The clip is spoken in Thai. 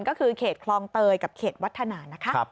ก็คือเขตคลองเตยกับเขตวัฒนานะคะ